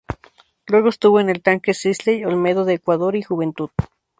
Luego estuvo en El Tanque Sisley, Olmedo de Ecuador y Juventud.